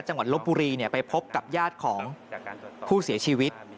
ลบบุรีไปพบกับญาติของผู้เสียชีวิต